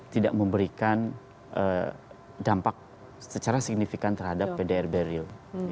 tidak memberikan dampak secara signifikan terhadap pdr barril